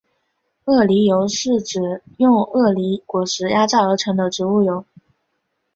鳄梨油是指用鳄梨果实压榨而成的植物油。